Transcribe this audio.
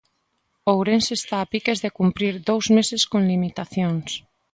Ourense está a piques de cumprir dous meses con limitacións.